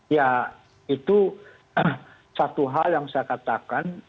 ya itu satu hal yang saya katakan